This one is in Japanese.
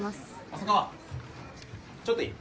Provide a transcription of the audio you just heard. ・浅川ちょっといい？